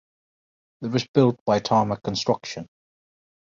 It was built by Tarmac Construction.